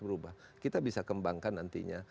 berubah kita bisa kembangkan nantinya